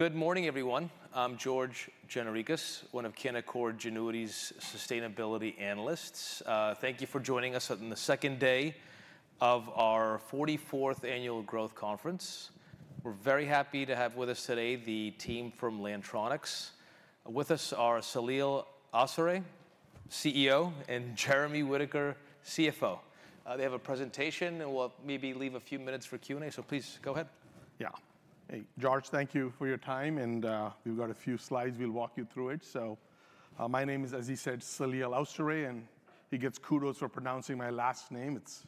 Good morning, everyone. I'm George Gianarikas, one of Canaccord Genuity's sustainability analysts. Thank you for joining us on the second day of our forty-fourth annual Growth Conference. We're very happy to have with us today the team from Lantronix. With us are Saleel Awsare, CEO, and Jeremy Whitaker, CFO. They have a presentation, and we'll maybe leave a few minutes for Q&A. Please, go ahead. Yeah. Hey, George, thank you for your time, and we've got a few slides. We'll walk you through it. So, my name is, as he said, Saleel Awsare, and he gets kudos for pronouncing my last name. It's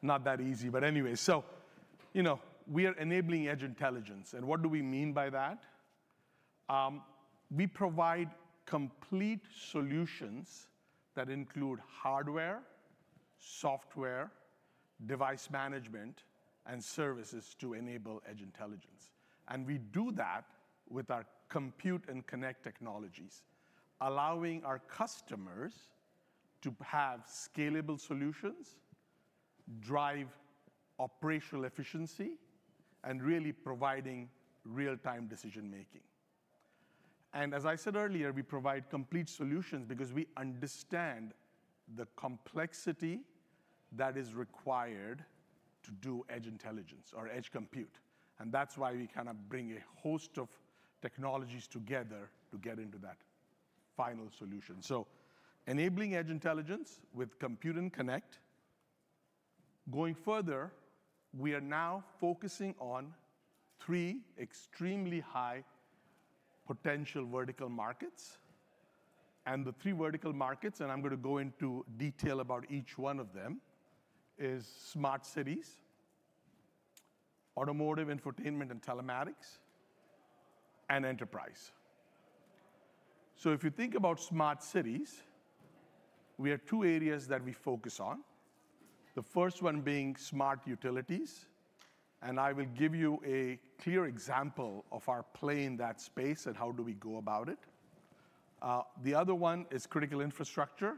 not that easy, but anyway... So, you know, we are enabling edge intelligence, and what do we mean by that? We provide complete solutions that include hardware, software, device management, and services to enable edge intelligence, and we do that with our Compute and Connect technologies, allowing our customers to have scalable solutions, drive operational efficiency, and really providing real-time decision-making. And as I said earlier, we provide complete solutions because we understand the complexity that is required to do edge intelligence or edge compute, and that's why we kind of bring a host of technologies together to get into that final solution. So enabling edge intelligence with compute and connect. Going further, we are now focusing on three extremely high-potential vertical markets, and the three vertical markets, and I'm gonna go into detail about each one of them, is Smart Cities, automotive infotainment and telematics, and enterprise. So if you think about Smart Cities, we have two areas that we focus on, the first one being smart utilities, and I will give you a clear example of our play in that space and how do we go about it. The other one is Critical Infrastructure.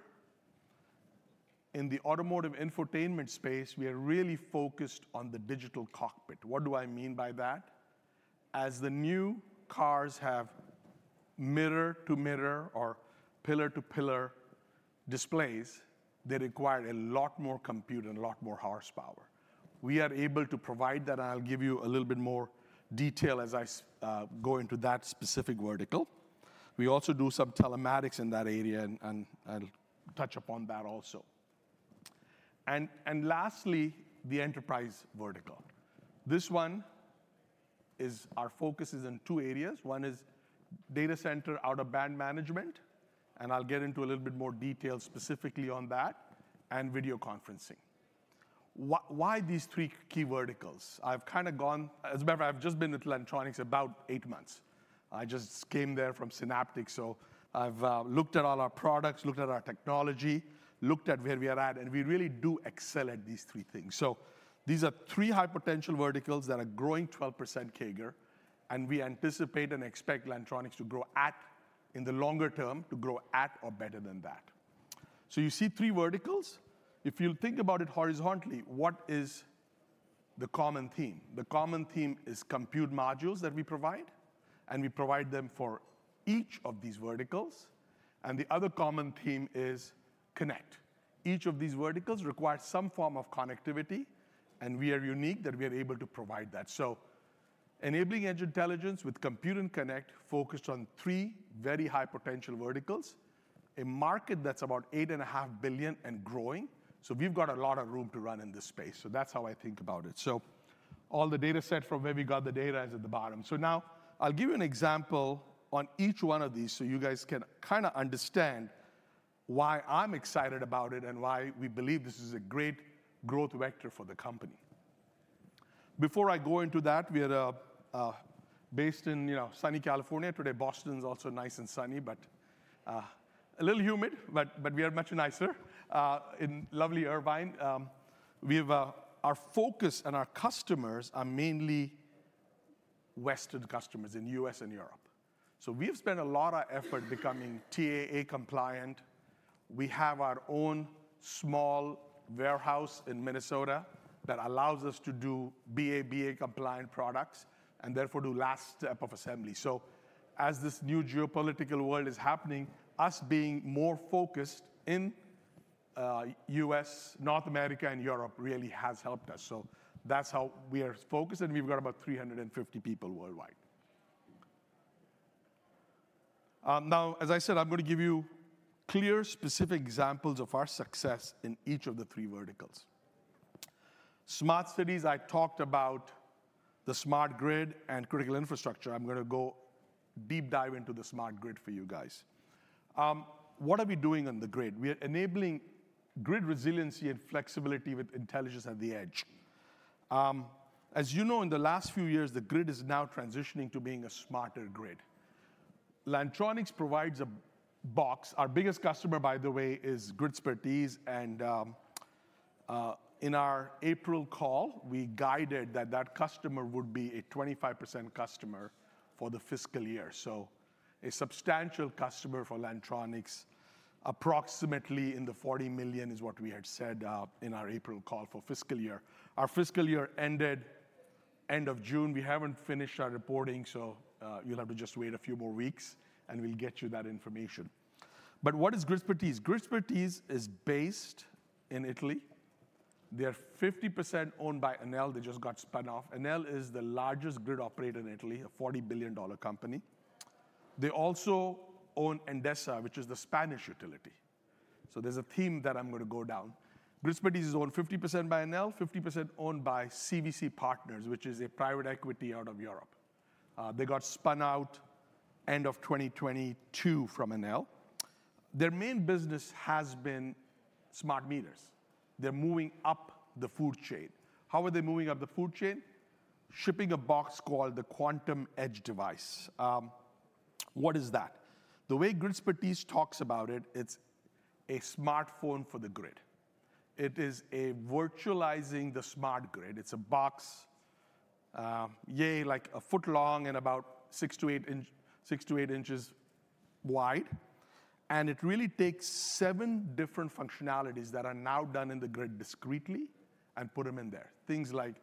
In the automotive infotainment space, we are really focused on the Digital Cockpit. What do I mean by that? As the new cars have mirror-to-mirror or pillar-to-pillar displays, they require a lot more compute and a lot more horsepower. We are able to provide that. I'll give you a little bit more detail as I go into that specific vertical. We also do some telematics in that area, and I'll touch upon that also. And lastly, the enterprise vertical. This one is our focus is in two areas. One is data center out-of-band management, and I'll get into a little bit more detail specifically on that, and video conferencing. Why these three key verticals? I've kind of gone as a matter, I've just been at Lantronix about eight months. I just came there from Synaptics, so I've looked at all our products, looked at our technology, looked at where we are at, and we really do excel at these three things. So these are three high-potential verticals that are growing 12% CAGR, and we anticipate and expect Lantronix to grow at, in the longer term, to grow at or better than that. So you see three verticals. If you'll think about it horizontally, what is the common theme? The common theme is compute modules that we provide, and we provide them for each of these verticals, and the other common theme is connect. Each of these verticals requires some form of connectivity, and we are unique that we are able to provide that. So enabling edge intelligence with compute and connect, focused on three very high-potential verticals, a market that's about $8.5 billion and growing, so we've got a lot of room to run in this space. So that's how I think about it. So all the data set from where we got the data is at the bottom. So now I'll give you an example on each one of these, so you guys can kinda understand why I'm excited about it and why we believe this is a great growth vector for the company. Before I go into that, we are based in, you know, sunny California. Today, Boston's also nice and sunny, but a little humid, but we are much nicer in lovely Irvine. Our focus and our customers are mainly Western customers in U.S. and Europe. So we've spent a lot of effort becoming TAA compliant. We have our own small warehouse in Minnesota that allows us to do BABA-compliant products, and therefore, do last step of assembly. So as this new geopolitical world is happening, us being more focused in U.S., North America, and Europe really has helped us. So that's how we are focused, and we've got about 350 people worldwide. Now, as I said, I'm gonna give you clear, specific examples of our success in each of the three verticals. Smart cities, I talked about the smart grid and critical infrastructure. I'm gonna go deep dive into the smart grid for you guys. What are we doing on the grid? We are enabling grid resiliency and flexibility with intelligence at the edge. As you know, in the last few years, the grid is now transitioning to being a smarter grid. Lantronix provides a box. Our biggest customer, by the way, is Gridspertise, and, in our April call, we guided that that customer would be a 25% customer for the fiscal year. A substantial customer for Lantronix, approximately $40 million is what we had said, in our April call for fiscal year. Our fiscal year ended end of June. We haven't finished our reporting, so, you'll have to just wait a few more weeks, and we'll get you that information. But what is Gridspertise? Gridspertise is based in Italy. They are 50% owned by Enel. They just got spun off. Enel is the largest grid operator in Italy, a $40 billion company. They also own Endesa, which is the Spanish utility. So there's a theme that I'm gonna go down. Gridspertise is owned 50% by Enel, 50% owned by CVC Capital Partners, which is a private equity out of Europe. They got spun out end of 2022 from Enel. Their main business has been smart meters. They're moving up the food chain. How are they moving up the food chain? Shipping a box called the Quantum Edge device. What is that? The way Gridspertise talks about it, it's a smartphone for the grid. It is a virtualizing the smart grid. It's a box, yeah, like a foot long and about 6-8 inches wide, and it really takes seven different functionalities that are now done in the grid discretely and put them in there. Things like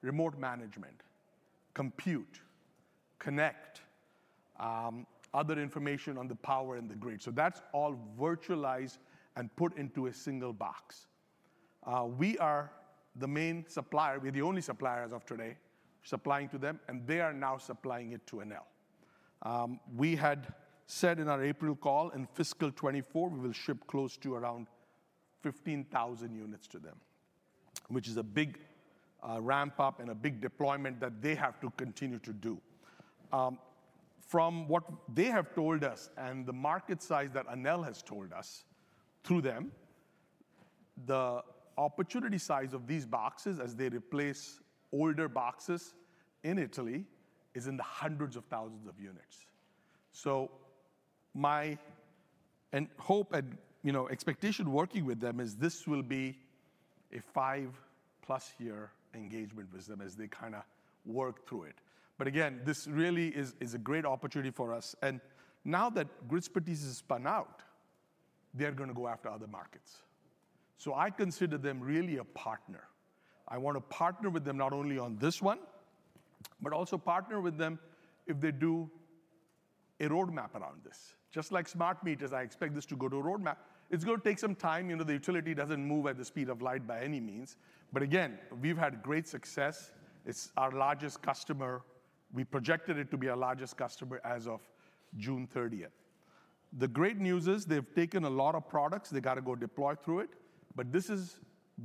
remote management, compute, connect, other information on the power in the grid. So that's all virtualized and put into a single box. We are the main supplier, we're the only supplier as of today, supplying to them, and they are now supplying it to Enel. We had said in our April call, in fiscal 2024, we will ship close to around 15,000 units to them, which is a big ramp-up and a big deployment that they have to continue to do. From what they have told us and the market size that Enel has told us through them, the opportunity size of these boxes, as they replace older boxes in Italy, is in the hundreds of thousands of units. So my hope and, you know, expectation working with them is this will be a 5+ year engagement with them as they kinda work through it. But again, this really is a great opportunity for us, and now that Gridspertise is spun out, they're gonna go after other markets. So I consider them really a partner. I wanna partner with them not only on this one, but also partner with them if they do a roadmap around this. Just like smart meters, I expect this to go to a roadmap. It's gonna take some time. You know, the utility doesn't move at the speed of light by any means. But again, we've had great success. It's our largest customer. We projected it to be our largest customer as of June thirtieth. The great news is they've taken a lot of products, they gotta go deploy through it, but this is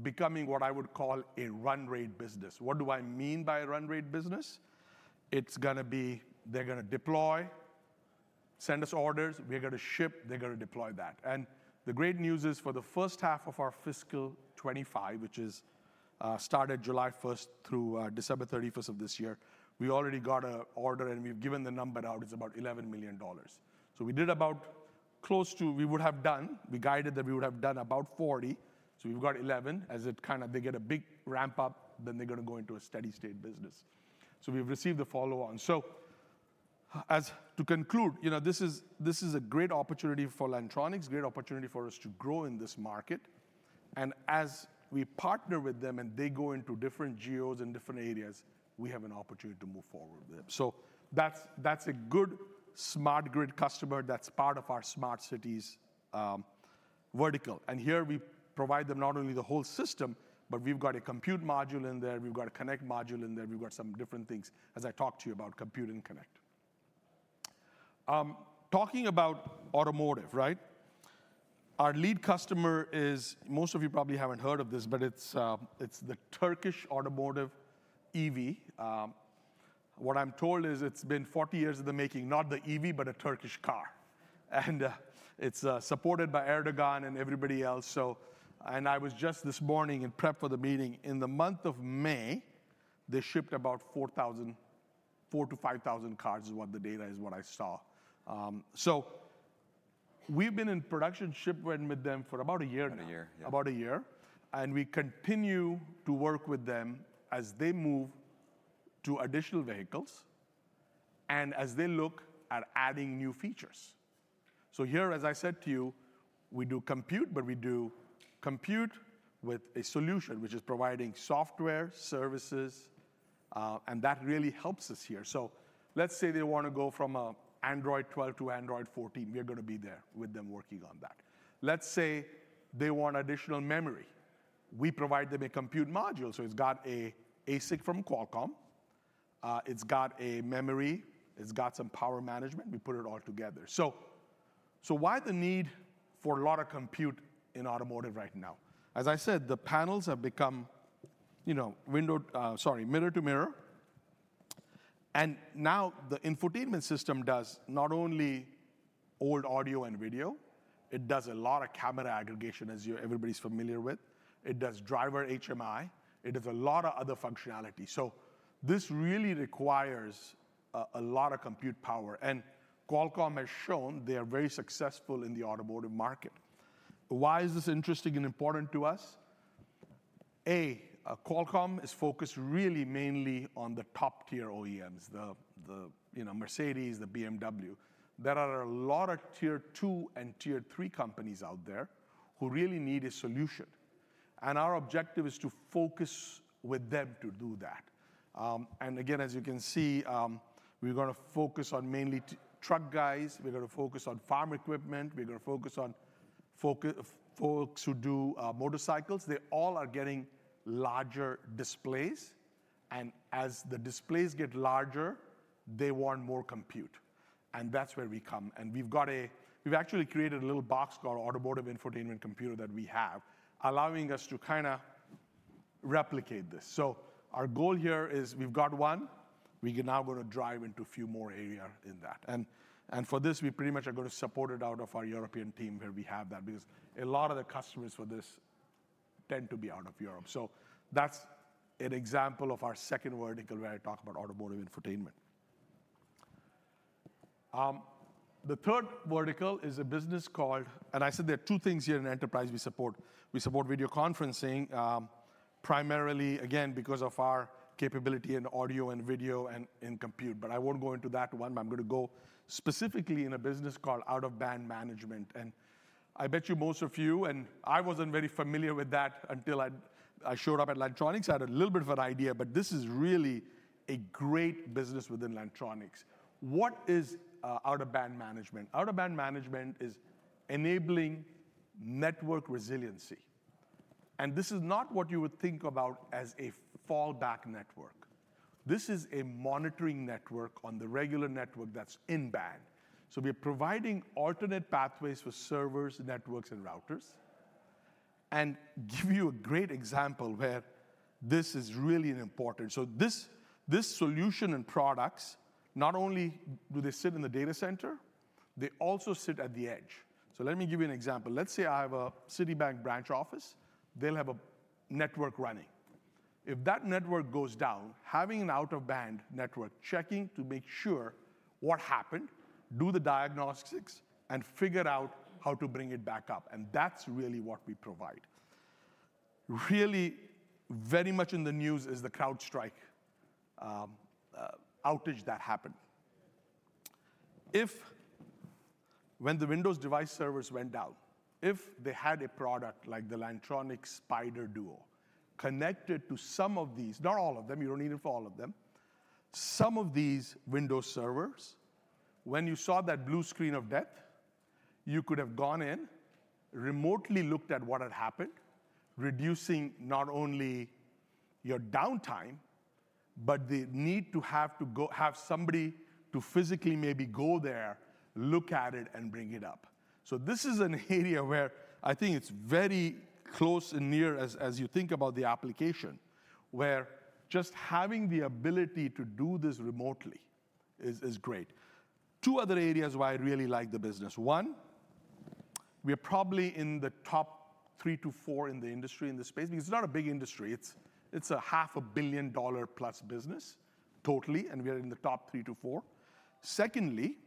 becoming what I would call a run rate business. What do I mean by a run rate business? It's gonna be—they're gonna deploy, send us orders, we're gonna ship, they're gonna deploy that. And the great news is for the first half of our fiscal 2025, which is started July 1 through December 31 of this year, we already got an order, and we've given the number out, it's about $11 million. So we did about... We would have done, we guided that we would have done about $40 million, so we've got $11 million. As it kinda, they get a big ramp-up, then they're gonna go into a steady state business. So we've received the follow-on. So as to conclude, you know, this is, this is a great opportunity for Lantronix, great opportunity for us to grow in this market. And as we partner with them, and they go into different geos and different areas, we have an opportunity to move forward with them. So that's, that's a good smart grid customer that's part of our smart cities vertical. And here we provide them not only the whole system, but we've got a compute module in there, we've got a connect module in there, we've got some different things, as I talked to you about compute and connect. Talking about automotive, right? Our lead customer is, most of you probably haven't heard of this, but it's the Turkish automotive EV. What I'm told is it's been 40 years in the making, not the EV, but a Turkish car. And it's supported by Erdoğan and everybody else, so... I was just this morning in prep for the meeting, in the month of May, they shipped about 4,000 cars-5,000 cars, is what the data is, what I saw. So we've been in production, shipping with them for about a year now. About a year, yeah. About a year. And we continue to work with them as they move to additional vehicles and as they look at adding new features. So here, as I said to you, we do compute, but we do compute with a solution, which is providing software, services, and that really helps us here. So let's say they wanna go from Android 12 to Android 14, we are gonna be there with them, working on that. Let's say they want additional memory. We provide them a compute module, so it's got a ASIC from Qualcomm, it's got a memory, it's got some power management. We put it all together. So, so why the need for a lot of compute in automotive right now? As I said, the panels have become, you know, window, sorry, mirror to mirror. And now, the infotainment system does not only hold audio and video, it does a lot of camera aggregation, as you, everybody's familiar with. It does driver HMI. It does a lot of other functionality. So this really requires a lot of compute power, and Qualcomm has shown they are very successful in the automotive market. Why is this interesting and important to us? Qualcomm is focused really mainly on the top-tier OEMs, you know, Mercedes, the BMW. There are a lot of Tier Two and Tier Three companies out there who really need a solution, and our objective is to focus with them to do that. And again, as you can see, we're gonna focus on mainly truck guys, we're gonna focus on farm equipment, we're gonna focus on folks who do motorcycles. They all are getting larger displays, and as the displays get larger, they want more compute, and that's where we come. And we've actually created a little box called Automotive Infotainment Computer that we have, allowing us to kinda replicate this. So our goal here is we've got one, we are now gonna drive into a few more area in that. And, and for this, we pretty much are gonna support it out of our European team, where we have that. Because a lot of the customers for this tend to be out of Europe. So that's an example of our second vertical, where I talk about automotive infotainment. The third vertical is a business called... And I said there are two things here in enterprise we support. We support video conferencing, primarily, again, because of our capability in audio and video and in compute, but I won't go into that one. I'm gonna go specifically in a business called out-of-band management. I bet you, most of you, and I wasn't very familiar with that until I showed up at Lantronix. I had a little bit of an idea, but this is really a great business within Lantronix. What is out-of-band management? Out-of-band management is enabling network resiliency, and this is not what you would think about as a fallback network. This is a monitoring network on the regular network that's in-band. So we are providing alternate pathways for servers, networks, and routers. And give you a great example where this is really important. So this solution and products not only sit in the data center, they also sit at the edge. So let me give you an example. Let's say I have a Citibank branch office. They'll have a network running. If that network goes down, having an out-of-band network, checking to make sure what happened, do the diagnostics, and figure out how to bring it back up, and that's really what we provide. Really, very much in the news is the CrowdStrike outage that happened. When the Windows device servers went down, if they had a product like the Lantronix SpiderDuo, connected to some of these, not all of them, you don't need it for all of them, some of these Windows servers, when you saw that blue screen of death, you could have gone in, remotely looked at what had happened, reducing not only your downtime, but the need to have to go have somebody to physically maybe go there, look at it, and bring it up. So this is an area where I think it's very close and near as, as you think about the application, where just having the ability to do this remotely is great. Two other areas why I really like the business. One, we are probably in the top three to four in the industry, in this space, because it's not a big industry. It's a $500 million+ business, totally, and we are in the top three to four. Secondly,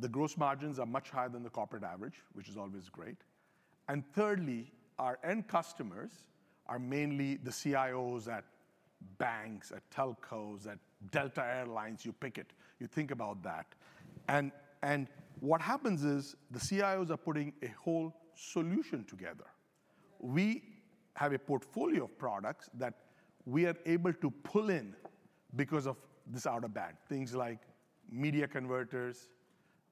the gross margins are much higher than the corporate average, which is always great. And thirdly, our end customers are mainly the CIOs at banks, at telcos, at Delta Air Lines. You pick it, you think about that. And what happens is the CIOs are putting a whole solution together. We have a portfolio of products that we are able to pull in because of this out-of-band. Things like media converters,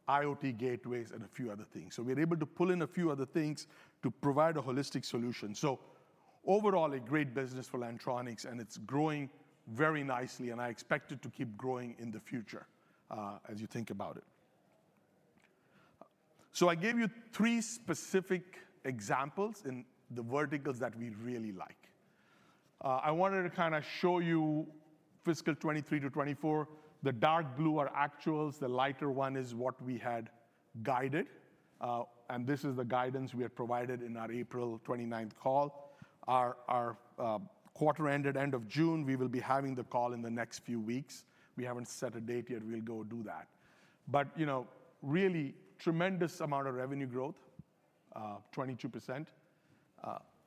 IoT gateways, and a few other things. So we're able to pull in a few other things to provide a holistic solution. So overall, a great business for Lantronix, and it's growing very nicely, and I expect it to keep growing in the future, as you think about it. So I gave you three specific examples in the verticals that we really like. I wanted to kinda show you fiscal 2023 to 2024. The dark blue are actuals, the lighter one is what we had guided, and this is the guidance we had provided in our April 29th call. Our quarter ended end of June. We will be having the call in the next few weeks. We haven't set a date yet. We'll go do that. But, you know, really tremendous amount of revenue growth, 22%.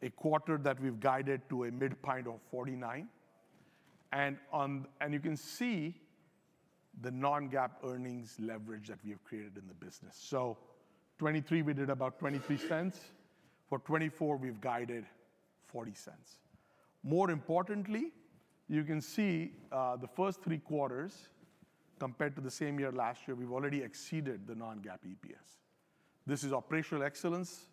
A quarter that we've guided to a midpoint of $0.49, and you can see the non-GAAP earnings leverage that we have created in the business. So 2023, we did about $0.23. For 2024, we've guided $0.40. More importantly, you can see the first three quarters, compared to the same year last year, we've already exceeded the non-GAAP EPS. This is operational excellence,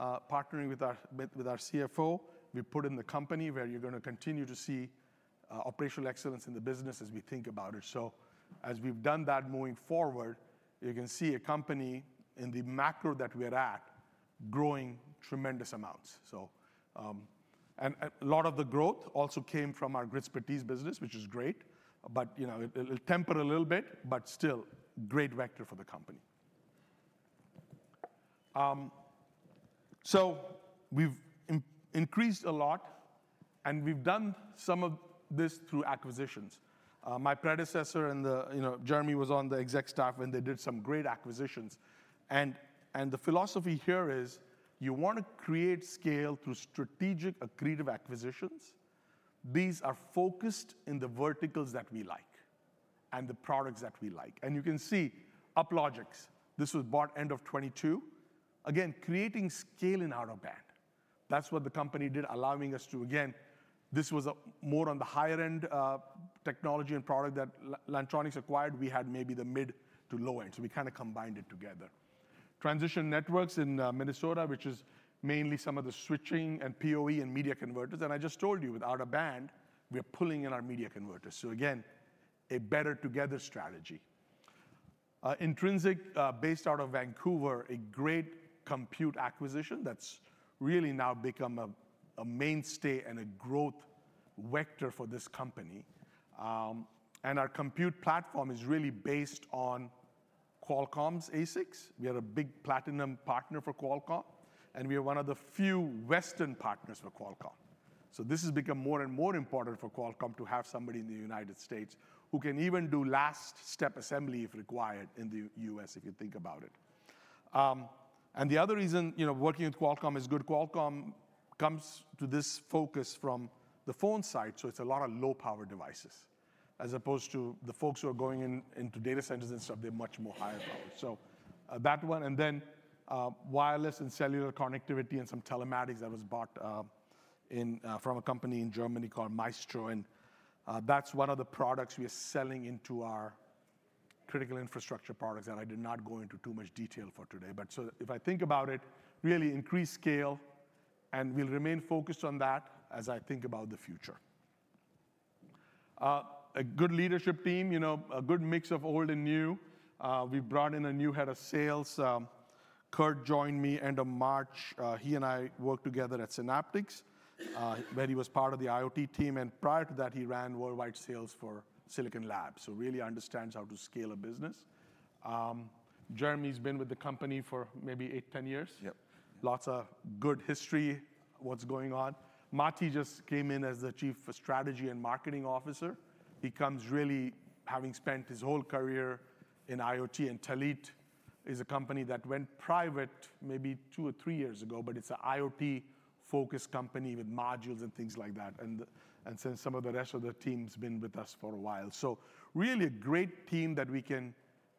partnering with our CFO. We put in the company, where you're gonna continue to see operational excellence in the business as we think about it. So as we've done that moving forward, you can see a company in the macro that we're at, growing tremendous amounts. So, and a lot of the growth also came from our Gridspertise business, which is great, but, you know, it, it'll temper a little bit, but still, great vector for the company. So we've increased a lot and we've done some of this through acquisitions. My predecessor in the, you know, Jeremy was on the exec staff, and they did some great acquisitions. And the philosophy here is, you wanna create scale through strategic, accretive acquisitions. These are focused in the verticals that we like and the products that we like. And you can see Uplogix, this was bought end of 2022. Again, creating scale in out-of-band, that's what the company did, allowing us to, again, this was more on the higher-end technology and product that Lantronix acquired. We had maybe the mid to low end, so we kind of combined it together. Transition Networks in Minnesota, which is mainly some of the switching and PoE and media converters, and I just told you with out-of-band, we're pulling in our media converters, so again, a better together strategy. Intrinsyc, based out of Vancouver, a great compute acquisition that's really now become a mainstay and a growth vector for this company. Our compute platform is really based on Qualcomm's ASICs. We are a big platinum partner for Qualcomm, and we are one of the few Western partners for Qualcomm. So this has become more and more important for Qualcomm to have somebody in the United States who can even do last step assembly, if required, in the US, if you think about it. The other reason, you know, working with Qualcomm is good. Qualcomm comes to this focus from the phone side, so it's a lot of low-power devices, as opposed to the folks who are going in, into data centers and stuff, they're much more higher power. So, that one, and then, wireless and cellular connectivity and some telematics that was bought, in, from a company in Germany called Maestro, and, that's one of the products we are selling into our critical infrastructure products, and I did not go into too much detail for today. But, so if I think about it, really increased scale, and we'll remain focused on that as I think about the future. A good leadership team, you know, a good mix of old and new. We brought in a new head of sales, Kurt joined me end of March. He and I worked together at Synaptics, where he was part of the IoT team, and prior to that, he ran worldwide sales for Silicon Labs, so really understands how to scale a business. Jeremy's been with the company for maybe eight, 10 years. Yep. Lots of good history, what's going on. Mathi just came in as the Chief Strategy and Marketing Officer. He comes really having spent his whole career in IoT, and Telit is a company that went private maybe two or three years ago, but it's an IoT-focused company with modules and things like that, and, and since some of the rest of the team's been with us for a while. So really a great team that we can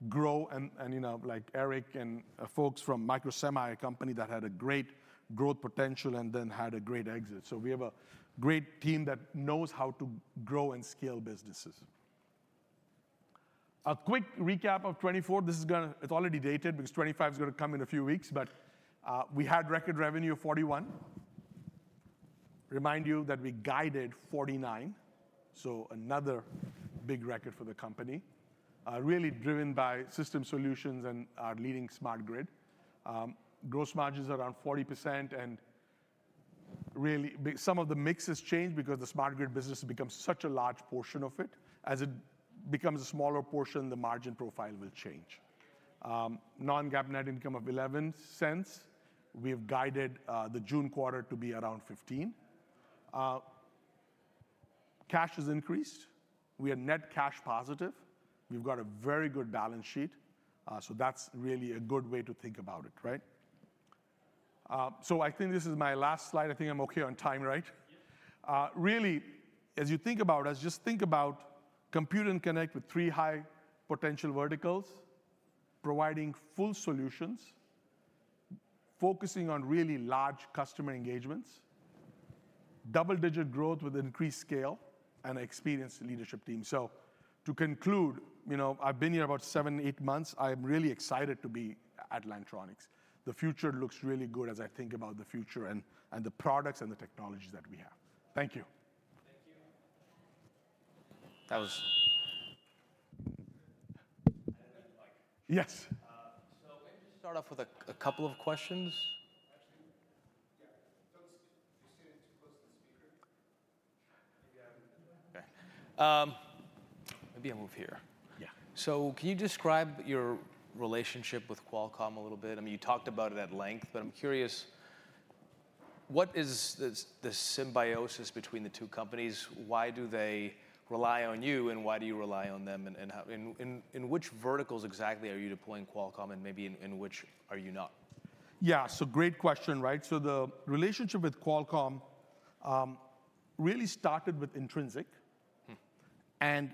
grow and, and, you know, like Eric and, folks from Microsemi, a company that had a great growth potential and then had a great exit. So we have a great team that knows how to grow and scale businesses. A quick recap of 2024. This is gonna—it's already dated, because 2025 is gonna come in a few weeks, but, we had record revenue of $41. Remind you that we guided $0.49, so another big record for the company. Really driven by system solutions and our leading smart grid. Gross margin's around 40%, and really, some of the mix has changed because the smart grid business has become such a large portion of it. As it becomes a smaller portion, the margin profile will change. Non-GAAP net income of $0.11. We have guided, the June quarter to be around $0.15. Cash has increased. We are net cash positive. We've got a very good balance sheet, so that's really a good way to think about it, right? So I think this is my last slide. I think I'm okay on time, right? Yep. Really, as you think about us, just think about Compute and Connect with three high-potential verticals, providing full solutions, focusing on really large customer engagements, double-digit growth with increased scale, and an experienced leadership team. So to conclude, you know, I've been here about 7, 8 months. I'm really excited to be at Lantronix. The future looks really good as I think about the future and the products and the technologies that we have. Thank you. Thank you. That was... I hit the mic. Yes. So let me just start off with a couple of questions. Actually, yeah. Folks, you're sitting too close to the speaker. Maybe I move that? Okay. Maybe I move here. Yeah. Can you describe your relationship with Qualcomm a little bit? I mean, you talked about it at length, but I'm curious, what is the symbiosis between the two companies? Why do they rely on you, and why do you rely on them, and which verticals exactly are you deploying Qualcomm, and maybe in which are you not? Yeah, so great question, right? So the relationship with Qualcomm really started with Intrinsyc. Hmm.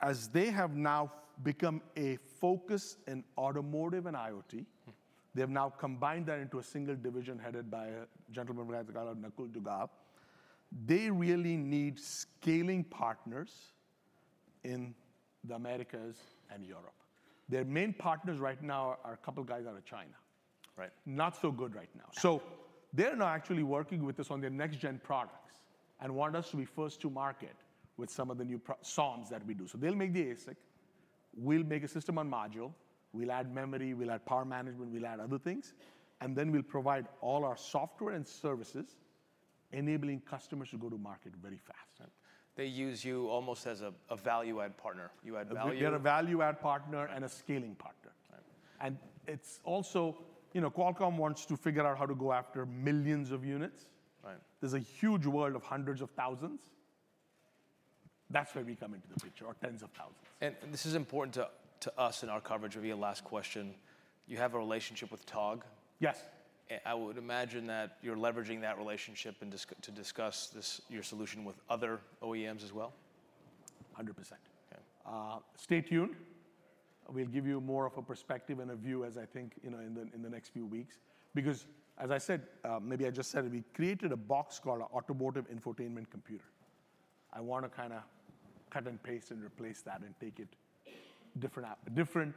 As they have now become a focus in automotive and IoT- Hmm... they've now combined that into a single division headed by a gentleman by the name of Nakul Duggal. They really need scaling partners in the Americas and Europe. Their main partners right now are a couple of guys out of China. Right. Not so good right now. Yeah. So they're now actually working with us on their next-gen products and want us to be first to market with some of the new SoMs that we do. So they'll make the ASIC, we'll make a system-on-module, we'll add memory, we'll add power management, we'll add other things, and then we'll provide all our software and services, enabling customers to go to market very fast. They use you almost as a value-add partner. You add value- We are a value-add partner- Right... and a scaling partner. Right. And it's also, you know, Qualcomm wants to figure out how to go after millions of units. Right. There's a huge world of hundreds of thousands. That's where we come into the picture, or tens of thousands. This is important to us in our coverage of your last question. You have a relationship with Togg? Yes. And I would imagine that you're leveraging that relationship to discuss this, your solution with other OEMs as well? Hundred percent. Okay. Stay tuned. We'll give you more of a perspective and a view as I think, you know, in the next few weeks. Because, as I said, maybe I just said it, we created a box called an Automotive Infotainment Computer. I wanna kinda cut and paste and replace that and take it... different app, different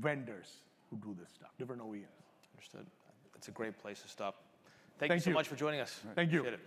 vendors who do this stuff, different OEMs. Understood. It's a great place to stop. Thank you. Thank you so much for joining us. Thank you. Appreciate it.